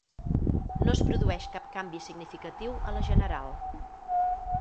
No es produeix cap canvi significatiu a la general.